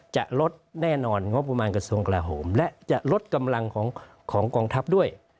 จะลดแน่นอนงบประมาณกระทรวงกลาโหมและจะลดกำลังของกองทัพด้วย